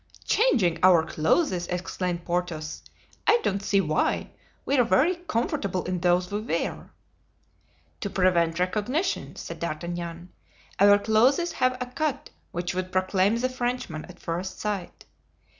"Changing our clothes!" exclaimed Porthos. "I don't see why; we are very comfortable in those we wear." "To prevent recognition," said D'Artagnan. "Our clothes have a cut which would proclaim the Frenchman at first sight.